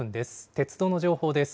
鉄道の情報です。